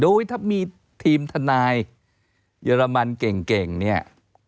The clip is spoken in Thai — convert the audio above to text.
โดยถ้ามีทีมทนายเยอรมันเก่งเนี่ย